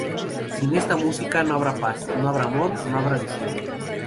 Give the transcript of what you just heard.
Sin esta música no habrá paz, no habrá amor, no habrá visión.